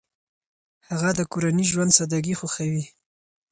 هغه د کورني ژوند سادګي خوښوي.